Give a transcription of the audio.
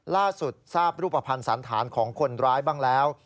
ล่าสุดทราบรูปภัณฑ์สันธารของคนร้ายบ้างแล้ว